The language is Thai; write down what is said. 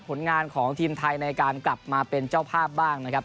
ผลงานของทีมไทยในการกลับมาเป็นเจ้าภาพบ้างนะครับ